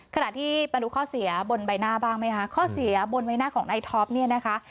ขณะที่มาดูข้อเสียบนใบหน้าบ้างไหมคะข้อเสียบนใบหน้าของนายท็อปเนี่ยนะคะ